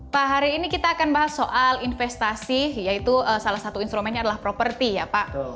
pak hari ini kita akan bahas soal investasi yaitu salah satu instrumennya adalah properti ya pak